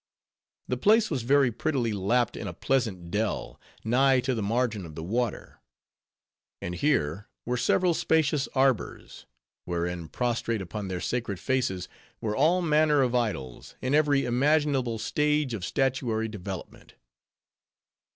The place was very prettily lapped in a pleasant dell, nigh to the margin of the water; and here, were several spacious arbors; wherein, prostrate upon their sacred faces, were all manner of idols, in every imaginable stage of statuary development.